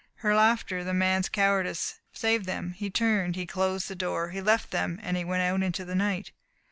Her laughter the man's cowardice saved them. He turned. He closed the door. He left them. He went out into the night."